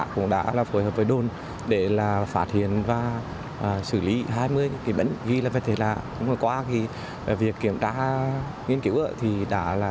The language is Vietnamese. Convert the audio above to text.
cũng đã phối hợp với đồn để phát hiện và xử lý hai mươi vật thể lạ vừa qua việc kiểm tra nghiên cứu đã